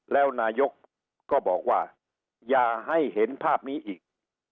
แล้วนายกก็บอกว่าอย่าให้เห็นภาพนี้อีก